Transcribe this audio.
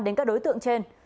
đến các đối tượng trên